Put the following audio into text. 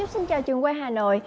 xin chào trường quay hà nội